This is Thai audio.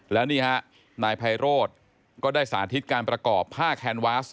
แล้วนี่ฮะนายไพโรธก็ได้สาธิตการประกอบผ้าแคนวาส